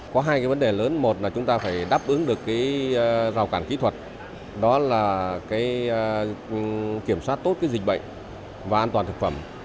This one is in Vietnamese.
có hai cái vấn đề lớn một là chúng ta phải đáp ứng được rào cản kỹ thuật đó là kiểm soát tốt dịch bệnh và an toàn thực phẩm